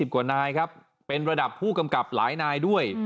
กว่านายครับเป็นระดับผู้กำกับหลายนายด้วย